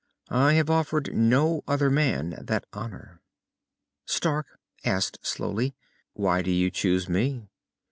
I have offered no other man that honor." Stark asked slowly, "Why do you choose me?"